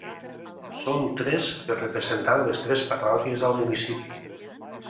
Són tres per representar les tres parròquies al municipi.